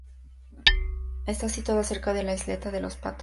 Está situada cerca de la Isleta de los Patos.